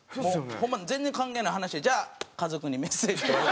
ホンマ全然関係ない話「じゃあ家族にメッセージを」。